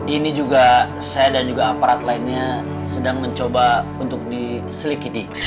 ini juga saya dan juga aparat lainnya sedang mencoba untuk diselikiti